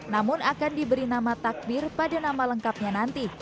namun akan diberi nama takbir pada nama lengkapnya nanti